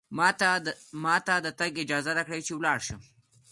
ما ته د تګ اجازه راکړئ، چې ولاړ شم.